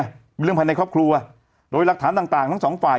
เนี่ยเรื่องภายในครอบครูโดยรักษาต่างทั้ง๒ฝ่าย